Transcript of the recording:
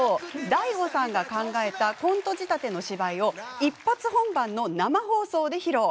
大悟さんが考えたコント仕立ての芝居を一発本番の生放送で披露。